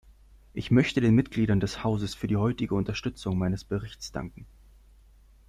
Ich möchte den Mitgliedern des Hauses für die heutige Unterstützung meines Berichts danken.